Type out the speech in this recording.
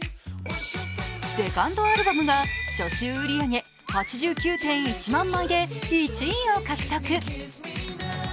セカンドアルバムが初週売り上げ８９．１万枚で１位を獲得。